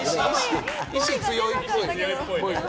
意思強いっぽいで。